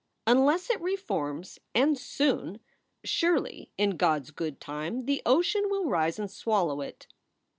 Unless it reforms and soon ! surely, in God s good time, the ocean will rise and swallow it!"